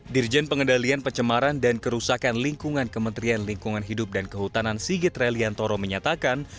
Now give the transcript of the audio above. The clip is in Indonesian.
dirjen pengendalian pencemaran dan kerusakan lingkungan kementerian lingkungan hidup dan kehutanan sigit reliantoro menyatakan